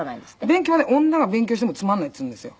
勉強はね「女が勉強してもつまらない」って言うんですよ。